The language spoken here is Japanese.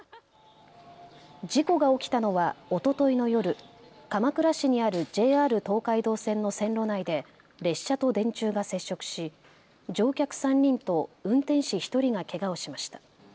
事故が起きたのはおとといの夜、鎌倉市にあるＪＲ東海道線の線路内で列車と電柱が接触し乗客３人と運転士１人がけがをしました。